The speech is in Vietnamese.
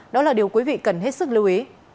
đó là điều quý vị cần hết sức lưu ý